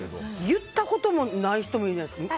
言ったことない人もいるじゃないですか。